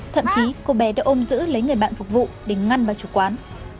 thậm chí cô bé đã ôm giữ lấy người bạn phục vụ để ngăn vào chủ quán